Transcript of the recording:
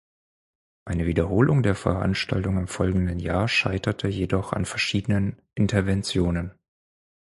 Eine Wiederholung der Veranstaltung im folgenden Jahr scheiterte jedoch an verschiedenen Interventionen.